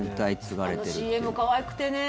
あのＣＭ可愛くてね。